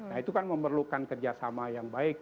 nah itu kan memerlukan kerjasama yang baik